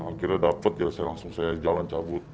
akhirnya dapet ya saya langsung saya jalan cabut